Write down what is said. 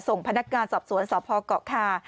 ส่งพนักงานสอบสวนสอบภกค่ะ